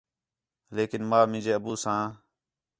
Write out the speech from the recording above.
لیکن ماں مینجے ابو ساں